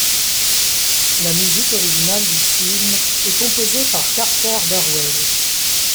La musique originale du film est composée par Carter Burwell.